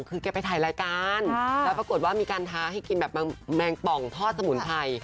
คือแกไปถ่ายรายการแล้วปรากฏว่ามีการท้าให้กินแบบแมงป่องทอดสมุนไพร